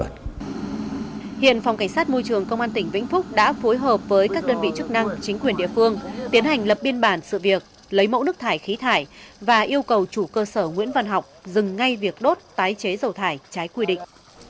hiện phòng cảnh sát môi trường công an tỉnh vĩnh phúc đã phối hợp với các đơn vị chức năng chính quyền địa phương tiến hành lập biên bản sự việc lấy mẫu nước thải khí thải và yêu cầu chủ cơ sở nguyễn văn học dừng ngay việc đốt tái chế dầu thải trái quy định